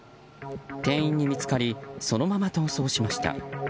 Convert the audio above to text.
店員に見つかりそのまま逃走しました。